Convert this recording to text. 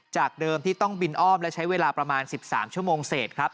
จากเดิมที่ต้องบินอ้อมและใช้เวลาประมาณ๑๓ชั่วโมงเศษครับ